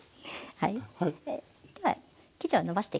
はい。